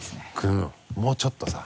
うんもうちょっとさ。